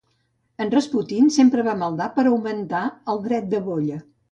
En Rasputin sempre va maldar per augmentar el dret de bolla.